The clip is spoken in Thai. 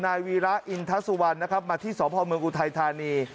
นายวีระอินทัศวันนะครับมาที่สภาพเมืองอุทัยธานี